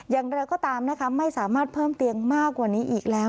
อย่างไรก็ตามนะคะไม่สามารถเพิ่มเตียงมากกว่านี้อีกแล้ว